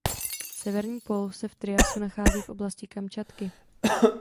Severní pól se v triasu nachází v oblasti Kamčatky.